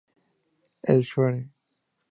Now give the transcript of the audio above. Elsewhere", Mr.